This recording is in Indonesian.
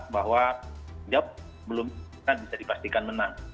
tapi jawab belum bisa dipastikan menang